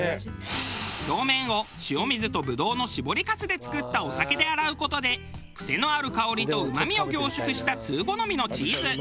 表面を塩水とブドウの搾りかすで作ったお酒で洗う事でクセのある香りとうまみを凝縮した通好みのチーズ。